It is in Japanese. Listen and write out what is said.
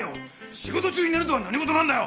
仕事中に寝るとは何事なんだよ！